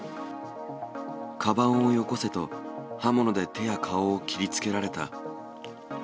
かばんをよこせと、刃物で手や顔を切りつけられた。